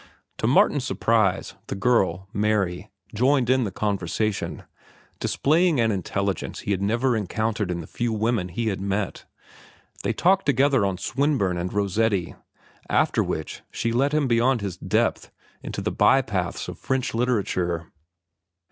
To Martin's surprise, the girl, Mary, joined in the conversation, displaying an intelligence he had never encountered in the few women he had met. They talked together on Swinburne and Rossetti, after which she led him beyond his depth into the by paths of French literature.